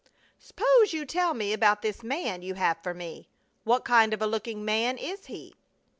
"Suppose you tell me about this man you have for me? What kind of a looking man is he?"